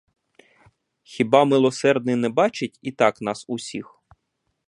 Хіба милосердний не бачить і так нас усіх!